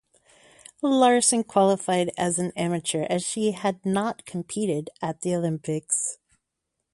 Larson qualified as amateur as she had not competed at the Olympics.